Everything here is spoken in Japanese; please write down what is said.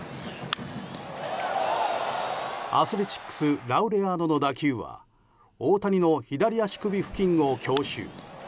アスレチックスラウレアーノの打球は大谷の左足首付近を強襲。